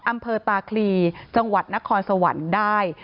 อำเภอตาคลีจังหวัดนครสวรรค์ได้